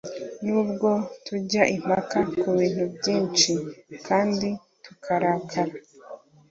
nubwo tujya impaka kubintu byinshi kandi tukarakara